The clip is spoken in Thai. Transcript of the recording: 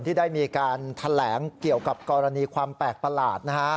ที่ได้มีการแถลงเกี่ยวกับกรณีความแปลกประหลาดนะฮะ